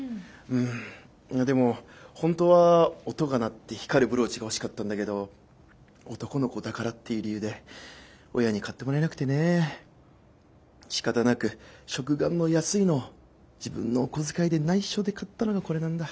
でも本当は音が鳴って光るブローチが欲しかったんだけど男の子だからっていう理由で親に買ってもらえなくてねしかたなく食玩の安いのを自分のお小遣いでないしょで買ったのがこれなんだ。